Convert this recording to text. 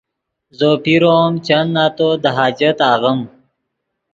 زو پیرو ام چند نتو دے حاجت آغیم